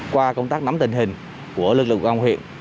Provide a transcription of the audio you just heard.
qua công tác nắm tình hình của lực lượng công an huyện